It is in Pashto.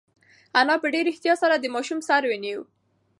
انا په ډېر احتیاط سره د ماشوم سر ونیو.